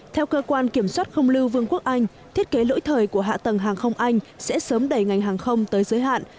theo cơ quan kiểm soát không lưu vương quốc anh thiết kế lỗi thời của hạ tầng hàng không anh sẽ sớm đẩy ngành hàng không tới giới hạn